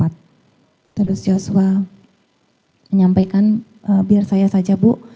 terus joshua menyampaikan biar saya saja bu